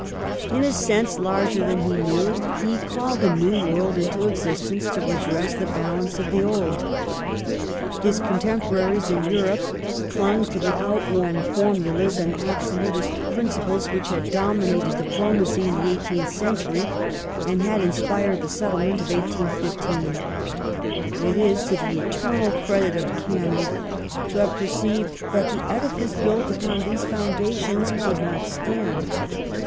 In a sense larger than he knew he " called a new world into existence to redress the balance of the old ". His contemporaries in Europe clung to the out worn formulas and absolutist principles which had dominated diplomacy in the eighteenth century and had inspired the settlement of 1815. It is to the eternal credit of Canning to have perceived that the edifice built upon these foundations could not stand.